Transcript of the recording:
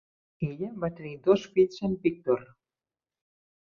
Ella va tenir dos fills amb Víctor.